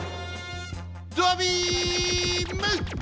ドアビーム！